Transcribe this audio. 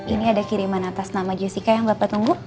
ini ada kiriman atas nama jessica yang bapak tunggu